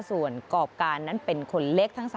ส่วนกรอบการนั้นเป็นคนเล็กทั้ง๓